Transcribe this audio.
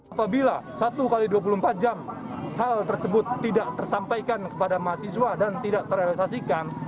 apabila satu x dua puluh empat jam hal tersebut tidak tersampaikan kepada mahasiswa dan tidak terrealisasikan